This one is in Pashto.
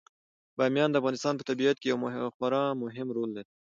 بامیان د افغانستان په طبیعت کې یو خورا مهم رول لري.